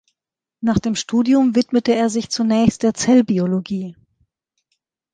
Nach dem Studium widmete er sich zunächst der Zellbiologie.